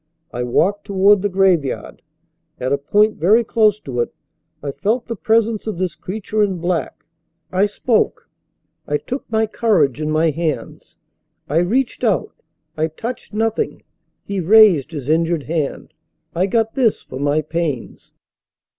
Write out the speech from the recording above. "I walked toward the graveyard. At a point very close to it I felt the presence of this creature in black. I spoke. I took my courage in my hands. I reached out. I touched nothing." He raised his injured hand. "I got this for my pains."